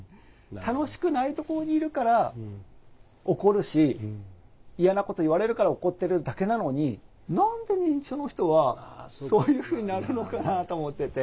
楽しくないところにいるから怒るし嫌なこと言われるから怒ってるだけなのに何で認知症の人はそういうふうになるのかなと思ってて。